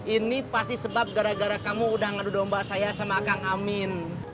ini pasti sebab gara gara kamu udah ngadu domba saya sama kang amin